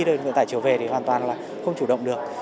đơn vận tải chiều về thì hoàn toàn là không chủ động được